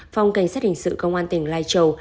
phòng cảnh sát hình sự công an tỉnh lai châu